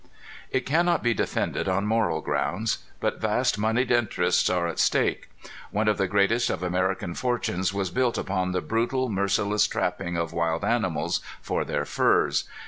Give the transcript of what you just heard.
It cannot be defended on moral grounds. But vast moneyed interests are at stake. One of the greatest of American fortunes was built upon the brutal, merciless trapping of wild animals for their furs.